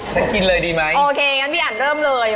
กินเลยดีไหมโอเคงั้นพี่อันเริ่มเลย